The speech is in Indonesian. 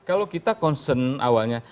kalau kita concern awalnya